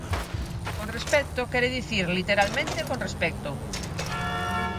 Con respecto quere dicir, literalmente, con respecto.